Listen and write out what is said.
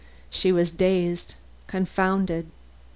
She was dazed confounded.